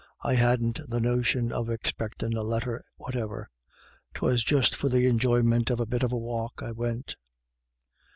I hadn't the notion of expectin' a letter whatever. 'Twas just for the enjoyment of the bit of a walk I went."